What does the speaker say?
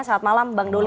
selamat malam bang doli